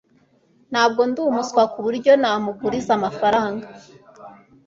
ntabwo ndi umuswa kuburyo namuguriza amafaranga